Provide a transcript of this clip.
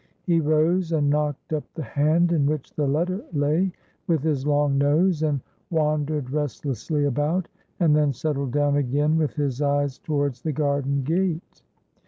He rose and knocked up the hand in which the letter lay with his long nose, and wandered restlessly about, and then settled down again with his eyes towards the garden gate.